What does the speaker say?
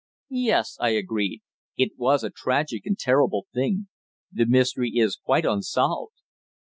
"Yes," I agreed; "it was a tragic and terrible thing. The mystery is quite unsolved."